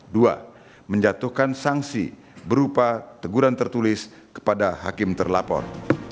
dua menjatuhkan sanksi berupa teguran tertulis kepada hakim terlapor